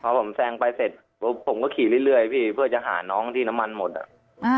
พอผมแซงไปเสร็จปุ๊บผมก็ขี่เรื่อยพี่เพื่อจะหาน้องที่น้ำมันหมดอ่ะ